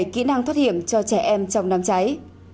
bảy kỹ năng thoát hiểm cho trẻ em trong năm cháy